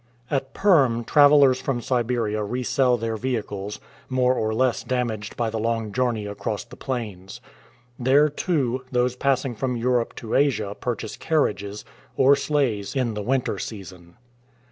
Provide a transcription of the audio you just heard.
At Perm travelers from Siberia resell their vehicles, more or less damaged by the long journey across the plains. There, too, those passing from Europe to Asia purchase carriages, or sleighs in the winter season.